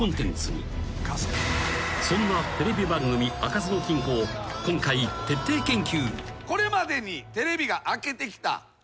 ［そんなテレビ番組「開かずの金庫」を今回徹底研究］